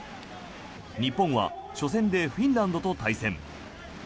日本は初戦でフィンランドと対戦。